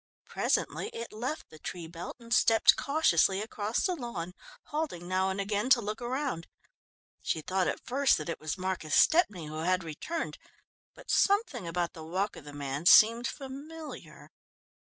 Presently it left the tree belt, and stepped cautiously across the lawn, halting now and again to look around. She thought at first that it was Marcus Stepney who had returned, but something about the walk of the man seemed familiar.